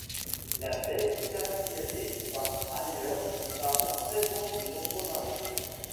La baie se caractérise par ailleurs par la présence de nombreux marais.